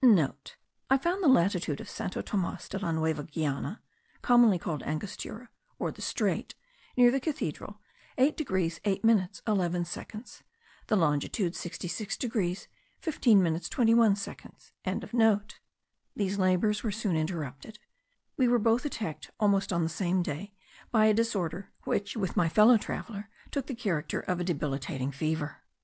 (* I found the latitude of Santo Tomas de la Nueva Guiana, commonly called Angostura, or the Strait, near the cathedral, 8 degrees 8 minutes 11 seconds, the longitude 66 degrees 15 minutes 21 seconds.) These labours were soon interrupted. We were both attacked almost on the same day by a disorder which with my fellow traveller took the character of a debilitating fever.